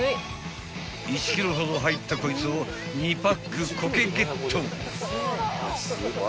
［１ｋｇほど入ったこいつを２パックコケゲット］